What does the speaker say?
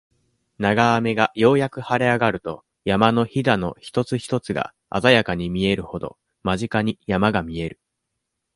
長雨がようやく晴れ上がると、山の襞の一つ一つが、鮮やかに見えるほど、間近に、山が見える。